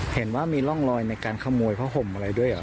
เห็นว่ามีร่องรอยในการขโมยผ้าห่มอะไรด้วยเหรอ